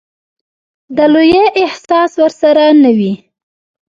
د لويي احساس ورسره نه وي.